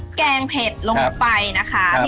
พริกแกงเผ็ดลงไปนะคะ